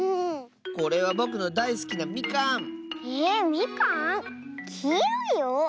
これはぼくのだいすきなみかん！えみかん？きいろいよ。